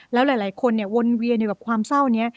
แล้วหลายคนเนี่ยวนเวียนอยู่กับความเศร้านี้